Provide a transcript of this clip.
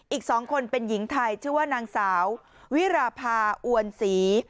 อีก๒คนเป็นหญิงไทยชื่อว่านางสาววิราภาอวนศรี